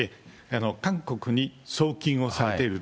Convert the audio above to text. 韓国に送金をされている。